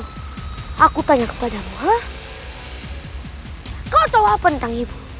kau tau apa tentang ibu